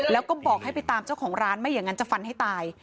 แล้วก็บอกให้ไปตามเจ้าของร้านไม่อย่างนั้นจะฟันให้ตาย